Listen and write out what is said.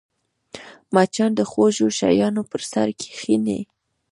مچان د خوږو شیانو پر سر کښېني